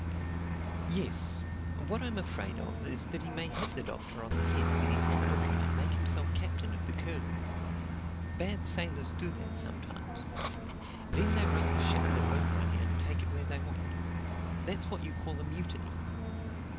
"Yes. What I'm afraid of is that he may hit the Doctor on the head when he's not looking and make himself captain of the Curlew. Bad sailors do that sometimes. Then they run the ship their own way and take it where they want. That's what you call a mutiny."